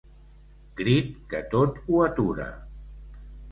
Crit que tot ho atura.